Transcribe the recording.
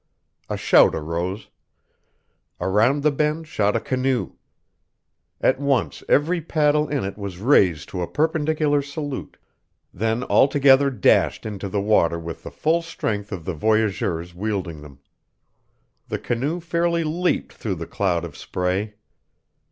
A shout arose. Around the bend shot a canoe. At once every paddle in it was raised to a perpendicular salute, then all together dashed into the water with the full strength of the voyageurs wielding them. The canoe fairly leaped through the cloud of spray.